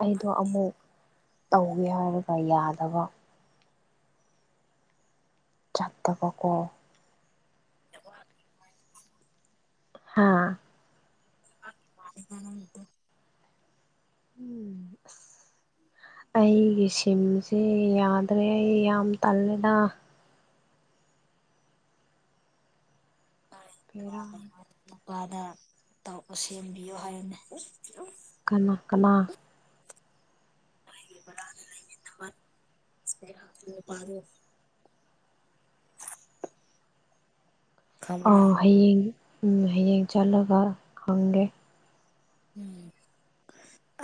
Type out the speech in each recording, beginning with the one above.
ꯑꯩꯗꯣ ꯑꯃꯨꯛ ꯇꯧꯒꯦ ꯍꯥꯏꯔꯒ ꯌꯥꯗꯕ ꯆꯠꯇꯕꯀꯣ [unintelligible] ꯍꯥꯥ [unintelligible] ꯎꯝ ꯑꯁ [inaudible] ꯑꯩꯒꯤ ꯁꯤꯝꯁꯦ ꯌꯥꯗ꯭ꯔꯦ ꯑꯩ ꯌꯥꯝ ꯇꯜꯂꯦꯗ ꯐꯦꯔꯥ ꯅꯨꯄꯥꯗ ꯇꯧ ꯁꯦꯝꯕꯤꯌꯣ ꯍꯥꯏꯌꯣꯅꯦ ꯀꯅꯥ ꯀꯅꯥ ꯕꯔꯥꯗ ꯂꯩꯃꯤꯟꯅꯕ [unintelligible] ꯑ ꯈꯪꯕ꯭ꯔꯥ ꯍꯌꯦꯡ ꯎꯝ ꯍꯌꯦꯡ ꯆꯠꯂꯒ ꯍꯪꯒꯦ ꯎꯝ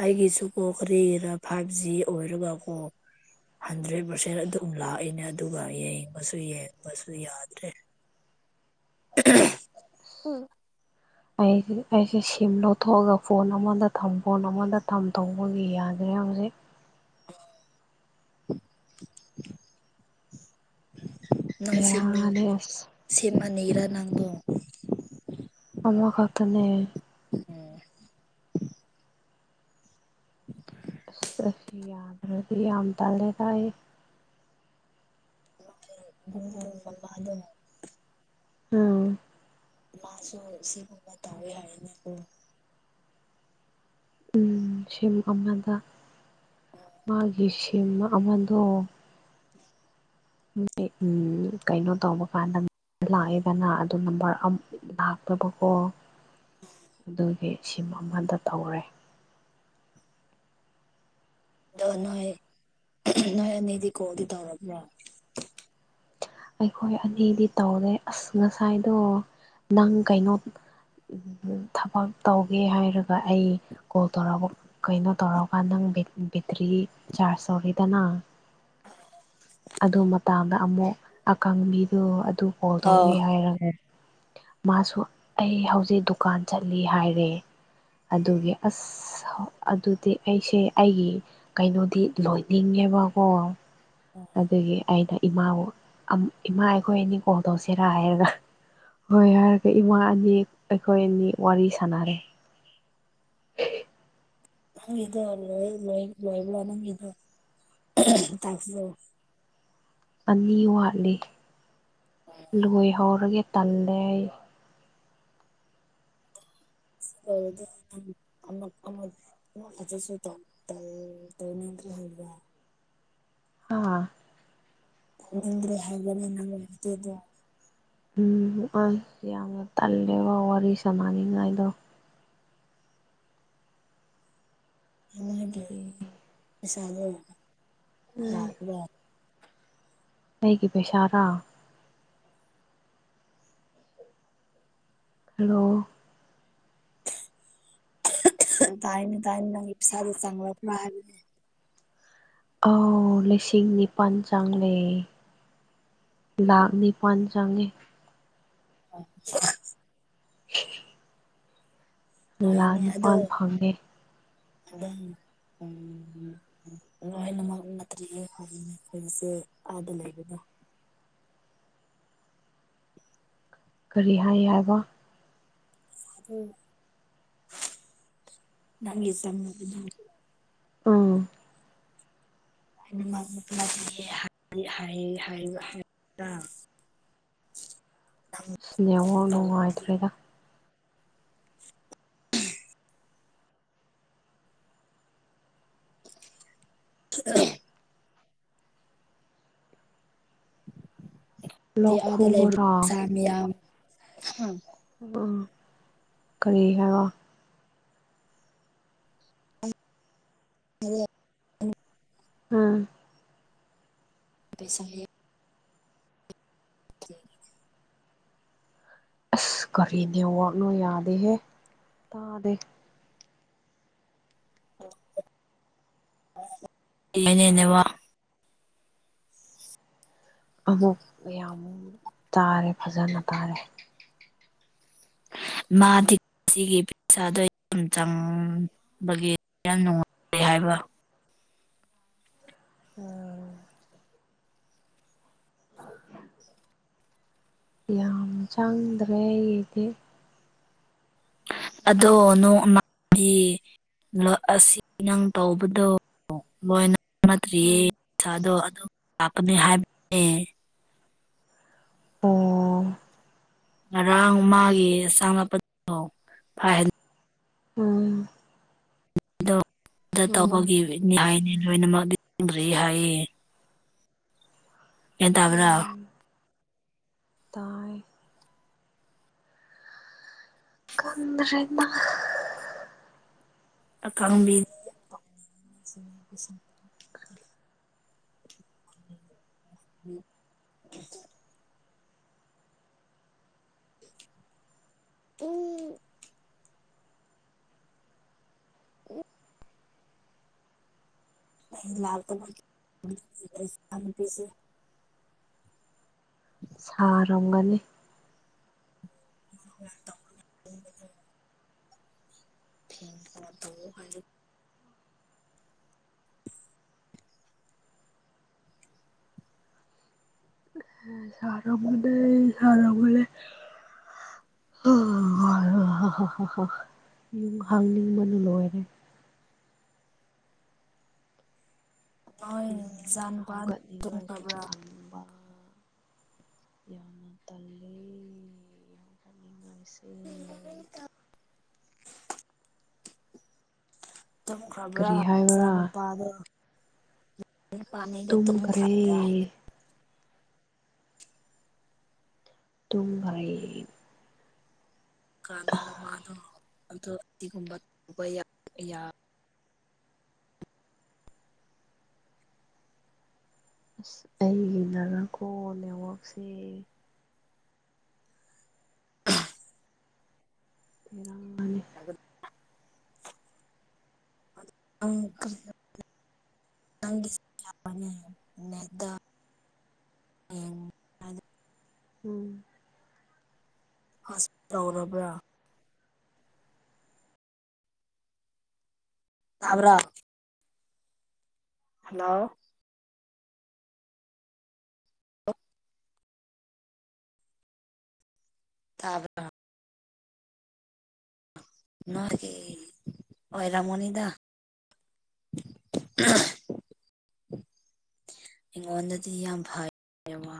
ꯑꯩꯒꯤꯁꯨ ꯀꯣ ꯀꯔꯤꯔ ꯐꯥꯏꯚ ꯖꯤ ꯑꯣꯏꯔꯒ ꯀꯣ ꯍꯟꯗ꯭ꯔꯦꯠ ꯄꯥꯔꯁꯦꯟ ꯑꯗꯨꯝ ꯂꯥꯛꯑꯦꯅꯦ ꯑꯗꯨꯒ ꯌꯦꯡꯕꯁꯨ ꯌꯦꯡꯕꯁꯨ ꯌꯥꯗ꯭ꯔꯦ [unintelligible] [unintelligible] ꯑꯩꯗꯤ ꯑꯩꯁꯦ ꯁꯤꯝ ꯂꯧꯊꯣꯛꯑꯒ ꯐꯣꯟ ꯑꯃꯗ ꯊꯝ ꯐꯣꯟ ꯑꯃꯗ ꯊꯝ ꯇꯧꯕꯒꯤ ꯌꯥꯗ꯭ꯔꯦ ꯍꯧꯖꯤꯛ ꯅꯪ ꯁꯤꯝ ꯕꯦꯔꯥꯅꯦ ꯑꯁ ꯁꯤꯝ ꯑꯅꯤꯔꯥ ꯅꯪꯕꯣ ꯑꯃꯈꯛꯇꯅꯦ ꯎꯝ [unintelligible] ꯑꯁ ꯑꯁꯤ ꯌꯥꯗ꯭ꯔꯗꯤ ꯌꯥꯝ ꯇꯜꯂꯦꯗ ꯑꯩ ꯅꯣꯏ ꯕꯨꯡ ꯕꯨꯡ ꯃꯃꯥꯗꯣ ꯑꯥ ꯃꯥꯁꯨ ꯁꯤꯒꯨꯝꯕ ꯇꯧꯋꯦ ꯍꯥꯏꯌꯦꯅꯦꯀꯣ ꯎꯝ ꯁꯤꯝ ꯑꯃꯗ ꯃꯥꯒꯤ ꯁꯤꯝ ꯑꯃꯗꯣ [unintelligible] ꯎꯝ ꯀꯩꯅꯣ ꯇꯧꯕ ꯀꯥꯟꯗ ꯂꯥꯛꯑꯦꯗꯅ ꯑꯗꯨ ꯅꯝꯕꯔ ꯑꯃ ꯂꯥꯛꯇꯕꯀꯣ ꯑꯗꯨꯒꯤ ꯁꯤꯝ ꯑꯃꯗ ꯇꯧꯔꯦ ꯑꯗꯣ ꯅꯣꯏ ꯅꯣꯏ ꯑꯅꯤꯗꯤ ꯀꯣꯜꯗꯤ ꯇꯧꯔꯕ꯭ꯔꯣ ꯑꯩꯈꯣꯏ ꯑꯅꯤꯗꯤ ꯇꯧꯔꯦ ꯑꯁ ꯉꯁꯥꯏꯗꯣ ꯅꯪ ꯀꯩꯅꯣ ꯎꯝ ꯊꯕꯛ ꯇꯧꯒꯦ ꯍꯥꯏꯔꯒ ꯑꯩ ꯀꯣꯜ ꯇꯧꯔꯛꯕ ꯀꯩꯅꯣ ꯇꯧꯔꯛꯑꯀꯥꯟ ꯅꯪ ꯕꯦ ꯕꯦꯇ꯭ꯔꯤ ꯆꯥꯔꯖ ꯇꯧꯔꯤꯗꯅ ꯑꯗꯨ ꯃꯇꯥꯡꯗ ꯑꯃꯨꯛ ꯑꯀꯪꯕꯤꯗꯨ ꯑꯗꯨ ꯀꯣꯜ ꯑꯥꯎ ꯇꯧꯒꯦ ꯍꯥꯏꯔꯒ ꯃꯥꯁꯨ ꯑꯩ ꯍꯧꯖꯤꯛ ꯗꯨꯀꯥꯟ ꯆꯠꯂꯤ ꯍꯥꯏꯔꯦ ꯑꯗꯨꯒꯤ ꯑꯁ ꯑꯗꯨꯗꯤ ꯑꯩꯁꯦ ꯑꯩꯒꯤ ꯀꯩꯅꯣꯗꯤ ꯂꯣꯏꯅꯤꯡꯉꯦꯕꯀꯣ ꯑꯣ ꯑꯗꯨꯒꯤ ꯑꯩꯅ ꯏꯃꯥꯕꯨ ꯑꯝ ꯏꯃꯥ ꯑꯩꯈꯣꯏ ꯑꯅꯤ ꯀꯣꯜ ꯇꯧꯁꯤꯔꯥ ꯍꯥꯏꯔꯒ ꯍꯣꯏ ꯍꯥꯏꯔꯒ ꯏꯃꯥ ꯑꯅꯤ ꯑꯩꯈꯣꯏ ꯑꯅꯤ ꯋꯥꯔꯤ ꯁꯥꯟꯅꯔꯦ [unintelligible] ꯅꯪꯒꯤꯗꯣ ꯂꯣꯏ ꯂꯣꯏ ꯂꯣꯏꯕ꯭ꯔꯥ ꯅꯪꯒꯤꯗꯣ ꯇꯥꯛꯁꯗꯣ ꯑꯅꯤ ꯋꯥꯠꯂꯤ ꯂꯣꯏꯍꯧꯔꯒꯦ ꯇꯜꯂꯦ ꯑꯩ ꯁꯤ ꯂꯣꯏꯔꯗꯤ [unintelligible] ꯅꯣꯏ ꯑꯗꯁꯨ ꯇꯧ ꯇꯧ ꯇꯧꯅꯤꯡꯗ꯭ꯔꯤ ꯍꯥꯏꯕ꯭ꯔꯥ ꯍꯥ ꯇꯧꯅꯤꯡꯗ꯭ꯔꯦ ꯍꯥꯏꯕ꯭ꯔꯥꯅꯦ [unintelligible] ꯎꯝ ꯑꯁ ꯌꯥꯝꯅ ꯇꯜꯂꯦꯕ ꯋꯥꯔꯤ ꯁꯥꯟꯅꯅꯤꯡꯉꯥꯏꯗꯣ ꯎꯝ [unintelligible] ꯑꯩꯒꯤ ꯄꯩꯁꯥꯔꯥ ꯍꯜꯂꯣ ꯇꯥꯏꯅꯦ ꯇꯥꯏꯅꯦ ꯅꯪꯒꯤ ꯄꯩꯁꯥꯗꯣ ꯆꯪꯂꯛꯄ꯭ꯔꯥ ꯍꯥꯏꯕꯅꯦ ꯑꯥꯎ ꯂꯤꯁꯤꯡ ꯅꯤꯄꯥꯜ ꯆꯪꯂꯦ ꯂꯥꯛ ꯅꯤꯄꯥꯟ ꯆꯪꯏ [unintelligible] [unintelligible] ꯂꯥꯛ [unintelligible] ꯑꯗꯣ ꯅꯤꯄꯥꯜ [unintelligible] ꯐꯪꯉꯦ ꯂꯣꯏꯅꯃꯛ ꯅꯠꯇ꯭ꯔꯤꯌꯦ ꯍꯧꯖꯤꯛꯅꯦ ꯍꯧꯖꯤꯛꯁꯦ ꯑꯥꯗ ꯂꯩꯕꯗꯣ ꯀꯔꯤ ꯍꯥꯏ ꯍꯥꯏꯕ [unintelligible] ꯎꯝ ꯑꯩꯅꯃꯛ ꯅꯠꯇ꯭ꯔꯤꯌꯦ ꯍꯥꯏ ꯍꯥꯏ ꯍꯥꯏꯕ [unintelligible] ꯅꯦꯠꯋꯥꯛ ꯅꯨꯡꯉꯥꯏꯇ꯭ꯔꯦꯗ [unintelligible] ꯂꯣꯛ ꯑꯥꯗ ꯂꯩꯕ ꯈꯨꯕꯔꯥ ꯄꯩꯁꯥ ꯃꯌꯥꯝ ꯍꯥ ꯑ ꯀꯔꯤ ꯍꯥꯏꯕ [unintelligible] ꯑ ꯄꯩꯁꯥ ꯍꯥꯏꯌꯦ [unintelligible] ꯑꯁ ꯀꯔꯤ ꯅꯦꯋꯥꯛꯅꯣ ꯌꯥꯗꯦꯍꯦ ꯇꯥꯗꯦ [unintelligible] ꯅꯦꯋꯥꯛ ꯑꯃꯨꯛ ꯌꯥꯝ ꯇꯥꯔꯦ ꯐꯖꯅ ꯇꯥꯔꯦ ꯃꯥꯗꯤ ꯁꯤꯒꯤ ꯄꯩꯁꯥꯗꯣ ꯌꯥꯝ ꯆꯪ ꯕꯒꯤ ꯌꯥꯝ ꯅꯨꯡꯉꯥꯏ ꯍꯥꯏꯕ ꯎꯝ [unintelligible] ꯌꯥꯝ ꯆꯪꯗ꯭ꯔꯦ ꯑꯩꯒꯤꯗꯤ ꯑꯗꯣ ꯅꯣꯡꯃꯗꯤ ꯂꯣ ꯑꯁꯤ ꯅꯪ ꯇꯧꯕꯗꯣ ꯂꯣꯏꯅ ꯅꯠꯇ꯭ꯔꯤꯌꯦ ꯎꯝ ꯄꯩꯁꯥꯗꯣ ꯑꯗꯨꯝ ꯂꯥꯛꯀꯅꯤ ꯍꯥꯏꯕꯅꯦ ꯑꯣ ꯉꯔꯥꯡ ꯃꯥꯒꯤ ꯆꯪ ꯂꯛꯄꯗꯣ ꯐꯥꯏꯚ ꯍꯟꯗ ꯎꯝ꯫ ꯑꯗꯣ ꯎꯝ ꯇꯧꯕꯒꯤꯅꯤ ꯍꯥꯏꯅꯤ ꯂꯣꯏꯅꯃꯛꯗꯤ [unintelligible] ꯍꯥꯏꯌꯦ ꯒ꯭ꯌꯥꯟ ꯇꯥꯕ꯭ꯔꯥ ꯎꯝ ꯇꯥꯏ ꯈꯟꯗꯔꯗꯥ ꯑꯀꯥꯟꯕꯤ [unintelligible] [unintelligible] [unintelligible] [inaudible] ꯁꯥꯔꯝꯒꯅꯤ [inaudible] [inaudible] [inaudible] ꯁꯥꯔꯝꯒꯅꯤ ꯁꯥꯔꯝꯒꯅꯤ ꯍ ꯌꯨꯝ ꯍꯪꯅꯤꯡꯕꯅ ꯂꯣꯏꯔꯦ ꯍꯣꯏꯅꯦ ꯎꯝ ꯅꯆꯥꯅꯨꯄꯥ ꯍꯧꯒꯠꯅꯤꯡꯉꯥꯏꯁꯨ ꯇꯨꯝꯈ꯭ꯔꯕ꯭ꯔꯥ ꯇꯟꯕ ꯌꯥꯝꯅ ꯇꯜꯂꯤ ꯌꯥꯝ ꯉꯁꯦ [unintelligible] ꯇꯨꯝꯈ꯭ꯔꯕ꯭ꯔꯥ ꯀꯔꯤ ꯍꯥꯏꯕ꯭ꯔꯥ ꯅꯆꯥꯅꯨꯨꯄꯥꯗꯣ ꯅꯨ ꯄꯥꯝꯃꯦꯗ ꯇꯨꯝꯈ꯭ꯔꯕ꯭ꯔꯥ ꯇꯨꯝꯈ꯭ꯔꯦ ꯍꯥꯏꯕꯅꯦ ꯇꯨꯝꯈ꯭ꯔꯦ ꯀꯟꯗ ꯃꯃꯥꯗꯣ ꯑꯗꯨ [unintelligible] ꯇꯧꯕ ꯌꯥ [unintelligible] ꯑꯁ ꯑꯩꯒꯤ ꯅꯥꯔ ꯀꫭ ꯅꯦꯠꯋꯥꯛꯁꯦ [inaudible] [inaudible] [inaudible] [inaudible] ꯎꯝ꯫ ꯍꫭꯁ ꯇꯧꯔꯕ꯭ꯔꯥ ꯇꯥꯕ꯭ꯔꯥ ꯍꯜꯂꯣ ꯇꯥꯕ꯭ꯔꯥ ꯅꫭꯏꯒꯤ ꯑꫭꯏꯔꯝꯒꯅꯤꯗ [inaudible] ꯑꯩꯉꯣꯟꯗꯗꯤ ꯌꯥꯝ ꯐꯩꯌꯦꯕ